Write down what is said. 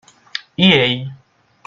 I ell?